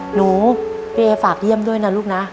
หนูพี่เอฝากเยี่ยมด้วยนะลูกนะ